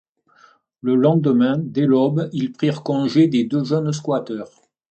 Le lendemain, dès l’aube, ils prirent congé des deux jeunes squatters.